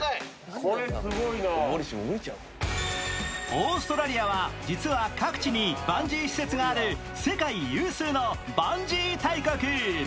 オーストラリアは実は各地にバンジー施設がある世界有数のバンジー大国。